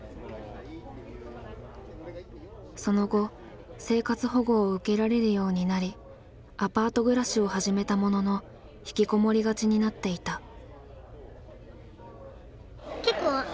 その後生活保護を受けられるようになりアパート暮らしを始めたものの引きこもりがちになっていた。